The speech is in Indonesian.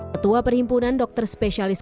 petua perhimpunan dokter spesialis